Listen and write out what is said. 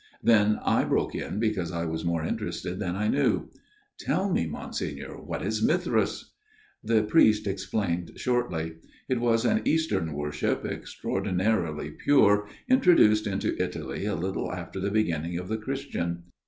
Then I broke in, because I was more interested than I knew. " Tell me, Monsignor, what was Mithras ?" The priest explained shortly. It was an Eastern worship, extraordinarily pure, introduced into Italy a little after the beginning of the Christian.